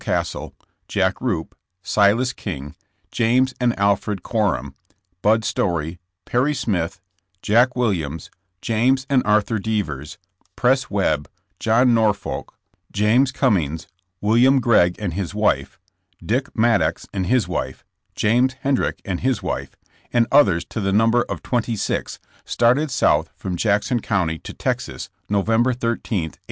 Castle, Jack Rupe, Silas King, James and Alfred Corum, Bud Story, Perry Smith, Jack Williams, James and Arthur Devers, Press Webb, John Norfolk, James Cummings, William Gregg and his wife, Dick Mad dox and his wife, James Hendrick and his wife, and others to the number of twenty six, started south from Jackson County to Texas, November 13, 1864.